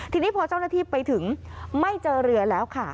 ทีนี้พอเจ้าหน้าที่ไปถึงไม่เจอเรือแล้วค่ะ